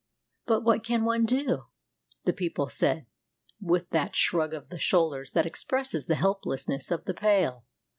"But what can one do?" the people said, with that shrug of the shoulders that expresses the helplessness of the Pale.